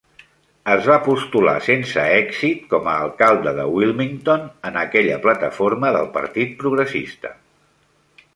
Es va postular sense èxit com a alcalde de Wilmington en aquella plataforma del Partit Progressista.